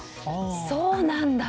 そうなんだ！